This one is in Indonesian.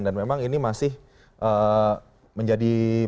dan memang ini masih menjadi pertumbuhan